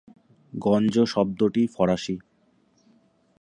গঞ্জ শব্দটি ফরাসী।